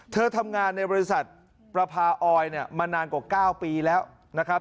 เธอทำงานในบริษัทประพาออยเนี่ยมานานกว่า๙ปีแล้วนะครับ